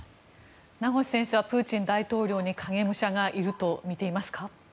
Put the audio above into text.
名越先生はプーチン大統領に影武者がいるとみていますか。